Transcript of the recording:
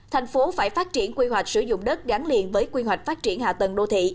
thành phố phải phát triển quy hoạch sử dụng đất gắn liền với quy hoạch phát triển hạ tầng đô thị